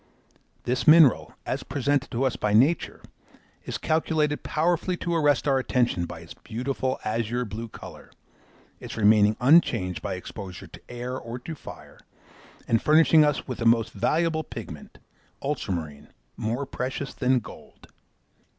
This mineral, as presented to us by nature, is calculated powerfully to arrest our attention by its beautiful azure blue colour, its remaining unchanged by exposure to air or to fire, and furnishing us with a most valuable pigment, Ultramarine, more precious than gold!